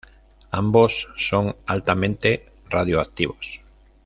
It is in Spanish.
Ambos son altamente radioactivos.